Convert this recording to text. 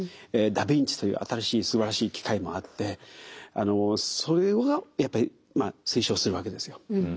ダビンチという新しいすばらしい機械もあってそれをやっぱ推奨するわけですよ。